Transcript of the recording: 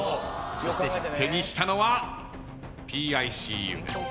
手にしたのは『ＰＩＣＵ』です。